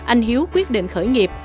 anh hiếu quyết định khởi nghiệp